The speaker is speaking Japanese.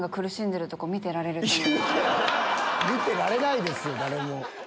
見てられないですよ誰も。